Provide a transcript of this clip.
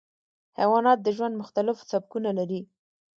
حیوانات د ژوند مختلف سبکونه لري.